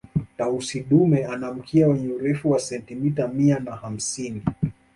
Tausi dume ana mkia wenye Urefu wa sentimita mia na hamsini